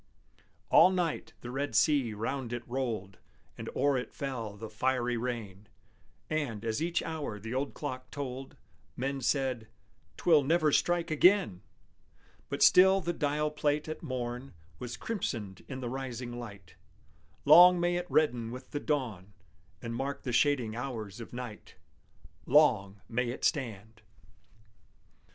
All night the red sea round it rolled, And o'er it fell the fiery rain: And, as each hour the old clock told, Men said, "'Twill never strike again!" But still the dial plate at morn Was crimsoned in the rising light. Long may it redden with the dawn, And mark the shading hours of night! Long may it stand!